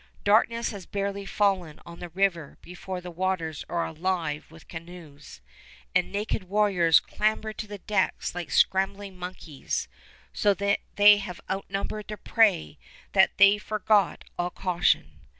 Darkness has barely fallen on the river before the waters are alive with canoes, and naked warriors clamber to the decks like scrambling monkeys, so sure they have outnumbered their prey that they forget all caution.